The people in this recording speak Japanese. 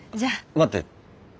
待って。